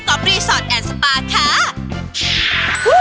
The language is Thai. ก๊อปรีสอร์ตแอนด์สปาร์ค่ะ